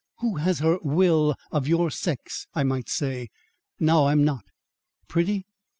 Who has her will of your sex, I might say. Now I'm not." "Pretty?"